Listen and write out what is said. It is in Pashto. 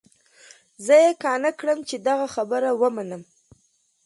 زه يې قانع كړم چې د هغه خبره ومنم.